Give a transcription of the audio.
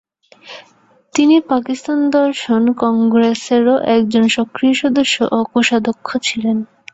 তিনি পাকিস্তান দর্শন কংগ্রেসেরও একজন সক্রিয় সদস্য এবং কোষাধ্যক্ষ ছিলেন।